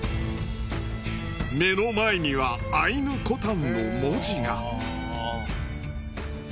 目の前にはアイヌコタンの文字が。